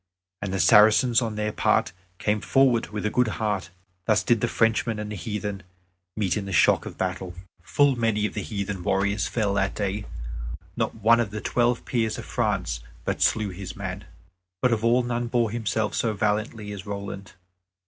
And the Saracens, on their part, came forward with a good heart. Thus did the Frenchmen and the heathen meet in the shock of battle. Full many of the heathen warriors fell that day. Not one of the Twelve Peers of France but slew his man. But of all none bore himself so valiantly as Roland.